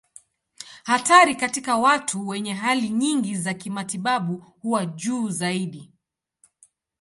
Hatari katika watu wenye hali nyingi za kimatibabu huwa juu zaidi.